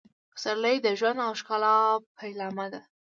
پسرلی د ژوند او ښکلا پیلامه ده.